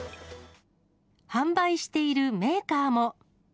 販売しているメーカーも。